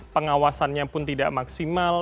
pengawasannya pun tidak maksimal